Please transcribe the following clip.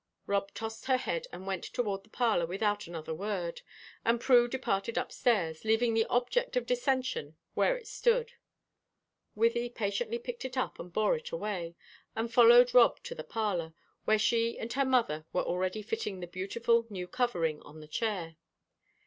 Rob tossed her head and went toward the parlor without another word, and Prue departed upstairs, leaving the object of dissension where it stood. Wythie patiently picked it up and bore it away, and followed Rob to the parlor, where she and her mother were already fitting the beautiful new covering on the chair.